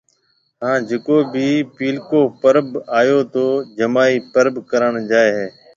ھان جڪو ڀِي پيلڪو پرٻ آيو تو جمائِي پرٻ ڪراڻ جائيَ ھيََََ